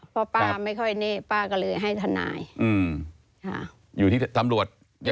เพราะป้าไม่ค่อยเน่ป้าก็เลยให้ธนาย